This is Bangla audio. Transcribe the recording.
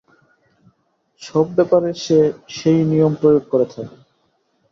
সব ব্যাপারেই সে সেই নিয়ম প্রয়োগ করে থাকে।